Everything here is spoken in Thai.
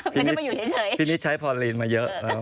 พี่นิดใช้พอลลีนมาเยอะแล้ว